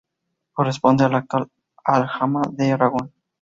Corresponde a la actual Alhama de Aragón.